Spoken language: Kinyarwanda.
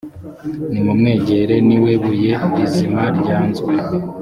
nimumwegere ni we buye rizima ryanzwe